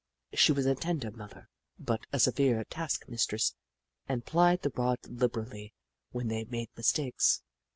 She was a tender mother, but a severe task mistress, and plied the rod liber ally when they made mistakes.